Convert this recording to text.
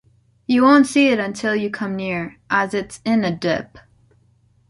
You won’t see it until you come near, as it’s in a dip.